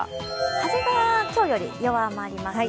風が今日より弱まりますね。